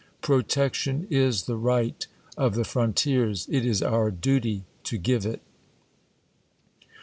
Protection is the right of the frontiers ; it IS our duty to give it.